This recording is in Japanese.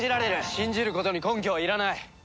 信じることに根拠はいらない！